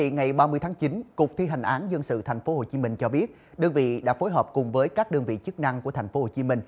ngày ba mươi tháng chín cục thi hành án dân sự tp hcm cho biết đơn vị đã phối hợp cùng với các đơn vị chức năng của tp hcm